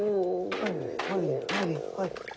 はいはいはいはい。